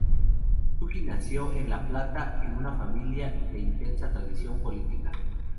Cooke nació en La Plata, en una familia de intensa tradición política.